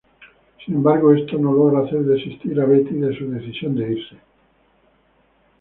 Sin embargo, esto no logra hacer desistir a Betty de su decisión de irse.